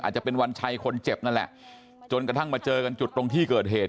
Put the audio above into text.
จะเป็นวันชัยคนเจ็บนั่นแหละจนกระทั่งมาเจอกันจุดตรงที่เกิดเหตุ